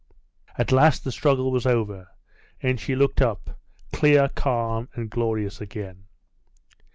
At last the struggle was over, and she looked up, clear, calm, and glorious again.